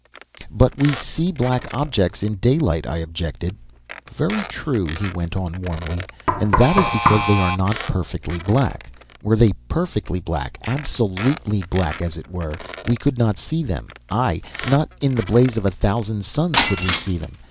"But we see black objects in daylight," I objected. "Very true," he went on warmly. "And that is because they are not perfectly black. Were they perfectly black, absolutely black, as it were, we could not see them—ay, not in the blaze of a thousand suns could we see them!